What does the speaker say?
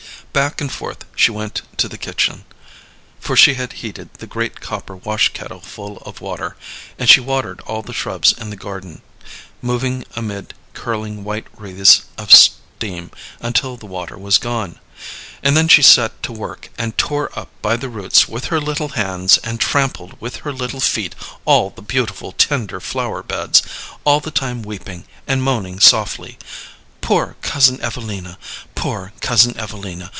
Back and forth she went to the kitchen; for she had heated the great copper wash kettle full of water; and she watered all the shrubs in the garden, moving amid curling white wreaths of steam, until the water was gone. And then she set to work and tore up by the roots with her little hands and trampled with her little feet all the beautiful tender flower beds; all the time weeping, and moaning softly: "Poor Cousin Evelina! poor Cousin Evelina!